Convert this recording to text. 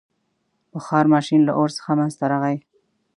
• بخار ماشین له اور څخه منځته راغی.